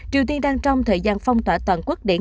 triều tiên đang trong thời gian phong tỏa toàn quốc điện